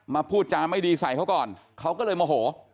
พูดจาไม่ดีใส่เขาก่อนเขาก็เลยโมโห